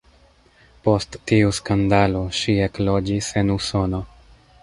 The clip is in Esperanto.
Post tiu skandalo ŝi ekloĝis en Usono.